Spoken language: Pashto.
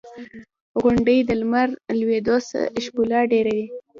• غونډۍ د لمر لوېدو ښکلا ډېروي.